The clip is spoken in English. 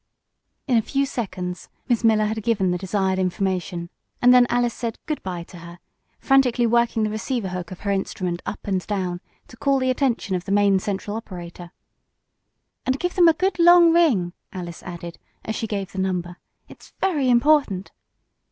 In a few seconds Miss Miller had given the desired information, and then Alice said "good bye" to her, frantically working the receiver hook of her instrument up and down to call the attention of the main central operator. "And give them a good, long ring!" Alice added, as she gave the number. "It's very important."